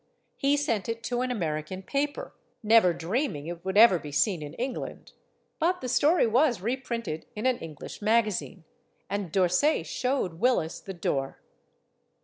He sent it to an American paper, never dreaming it would ever be seen in England. But the story was reprinted in an English magazine. And D'Orsay showed Willis the door.